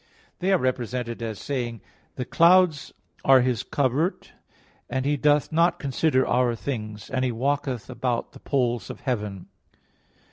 They are represented as saying (Job 22:14): "The clouds are His covert; and He doth not consider our things; and He walketh about the poles of heaven."